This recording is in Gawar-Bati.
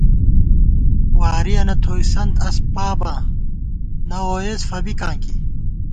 وارِیَنہ تھوئیسَنت اسپاباں ، نہ ووئیس فَبِکاں کی